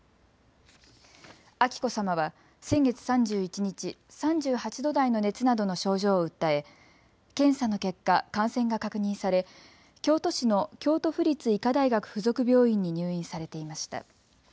彬子さまは先月３１日、３８度台の熱などの症状を訴え検査の結果、感染が確認され京都市の京都府立医科大学附属病院に入院されていました。